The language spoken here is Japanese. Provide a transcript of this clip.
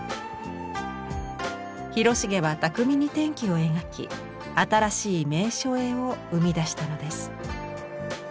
広重は巧みに天気を描き新しい名所絵を生み出したのです。